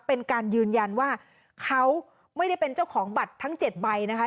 เป็นการยืนยันว่าเขาไม่ได้เป็นเจ้าของบัตรทั้ง๗ใบนะคะ